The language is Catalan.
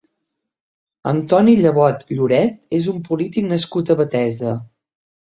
Antoni Llevot Lloret és un polític nascut a Betesa.